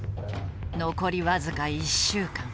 残り僅か１週間。